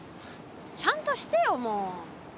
ちゃんとしてよもう。